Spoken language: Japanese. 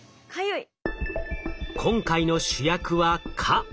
今回の主役は蚊。